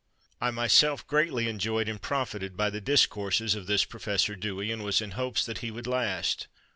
I myself greatly enjoyed and profited by the discourses of this Prof. Dewey and was in hopes that he would last.